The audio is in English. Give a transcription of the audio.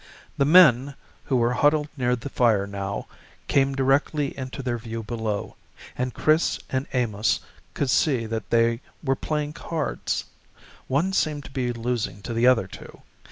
The men, who were huddled near their fire now, came directly into their view below, and Chris and Amos could see that they were playing cards. One seemed to be losing to the other two.